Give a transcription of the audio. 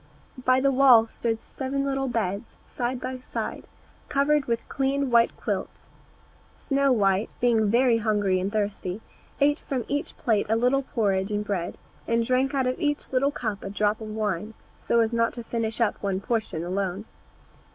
By the wall stood seven little beds, side by side, covered with clean white quilts. Snow white, being very hungry and thirsty, ate from each plate a little porridge and bread, and drank out of each little cup a drop of wine, so as not to finish up one portion alone.